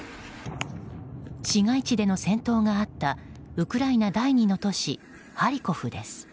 市街地での戦闘があったウクライナ第２の都市ハリコフです。